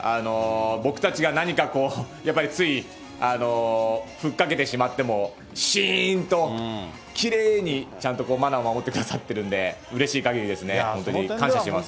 僕たちが何かこう、やっぱりつい、吹っかけてしまっても、しーんと、きれいに、ちゃんとマナーを守ってくださってるんで、うれしいかぎりですね、本当に感謝してます。